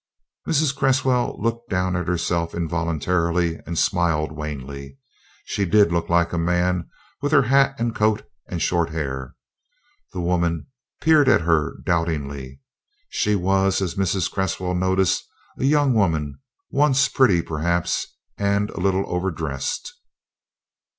Mrs. Cresswell looked down at herself involuntarily and smiled wanly. She did look like a man, with her hat and coat and short hair. The woman peered at her doubtingly. She was, as Mrs. Cresswell noticed, a young woman, once pretty, perhaps, and a little over dressed.